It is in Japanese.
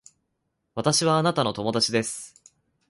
私はあなたの友達です